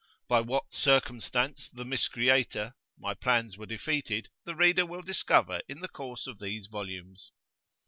By what "Circumstance, the miscreator" my plans were defeated, the reader will discover in the course of these volumes.